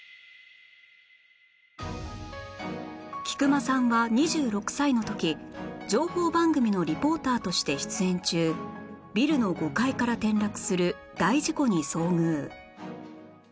菊間さんが２６歳の時情報番組のリポーターとして出演中ビルの５階から転落する大事故に遭遇